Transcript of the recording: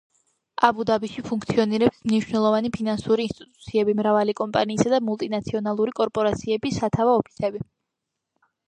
აბუ-დაბიში ფუნქციონირებს მნიშვნელოვანი ფინანსური ინსტიტუციები, მრავალი კომპანიისა და მულტინაციონალური კორპორაციების სათავო ოფისები.